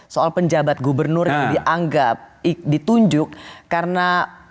soal penjabat gubernur yang dianggap ditunjuk karena